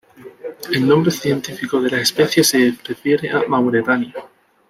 El nombre científico de la especie se refiere a Mauretania.